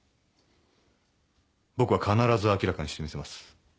僕は必ず明らかにしてみせます。